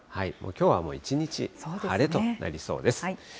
きょうはもう一日晴れとなりそうです。